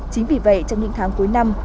chính vì vậy trong những tháng cuối năm